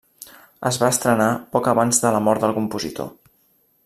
Es va estrenar poc abans de la mort del compositor.